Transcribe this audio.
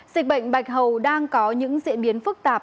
dịch bệnh bạch hầu đang có những diễn biến phức tạp